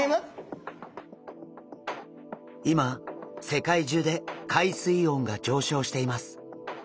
今世界中で海水温が上昇しています。